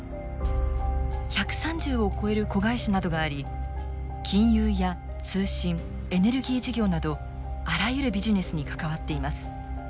１３０を超える子会社などがあり金融や通信エネルギー事業などあらゆるビジネスに関わっています。